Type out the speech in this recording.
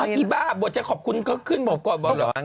อารีบาบว่าจะขอบคุณก็ขึ้นมากก่อน